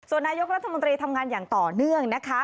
ส่วนนายกรัฐมนตรีทำงานอย่างต่อเนื่องนะคะ